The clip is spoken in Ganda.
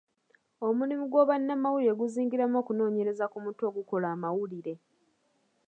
Omulimu gw'obwannamawulire guzingiramu okunoonyereza ku mutwe ogukola amawulire.